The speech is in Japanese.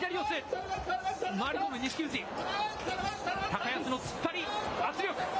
高安の突っ張り、圧力。